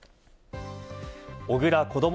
小倉こども